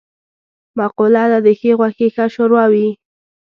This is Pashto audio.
مقوله ده: د ښې غوښې ښه شوروا وي.